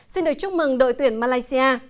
xin được chúc mừng đội tuyển malaysia